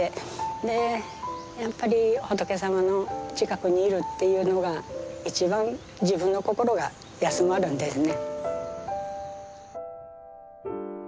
でやっぱり仏様の近くにいるっていうのが一番自分の心が休まるんですね。